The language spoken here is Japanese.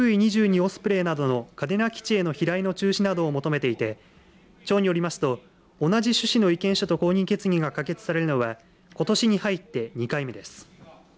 オスプレイなどの嘉手納基地への飛来の中止などを求めていて町によりますと同じ趣旨の意見書と抗議決議が可決されるのはことしに入って２回目です。